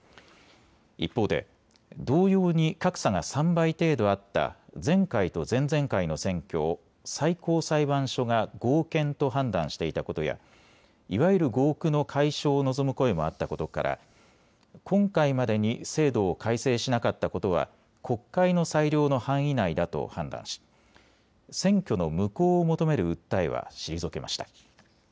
一方で同様に格差が３倍程度あった前回と前々回の選挙を最高裁判所が合憲と判断していたことやいわゆる合区の解消を望む声もあったことから今回までに制度を改正しなかったことは国会の裁量の範囲内だと判断し、選挙の無効を求める訴えは退けました。